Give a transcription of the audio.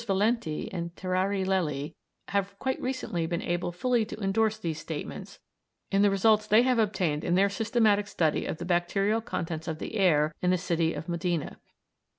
Valenti and Terrari Lelli have quite recently been able fully to endorse these statements in the results they have obtained in their systematic study of the bacterial contents of the air in the city of Modena.